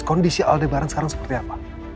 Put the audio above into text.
kondisi aldebaran sekarang seperti apa